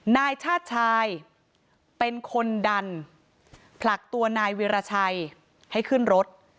นายชาติชายเป็นคนดันผลักตัวนายวิราชัยให้ขึ้นรถ